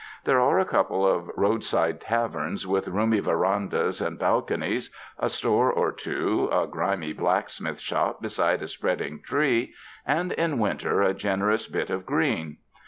There are a couple of roadside taverns with roomy verandas and balconies, a store or two, a grimy blacksmith shop beside a spreading tree, and in winter a generous bit of green.